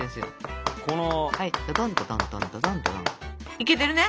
いけてるね？